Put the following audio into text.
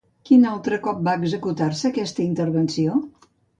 Quin altre cop va executar-se aquesta intervenció?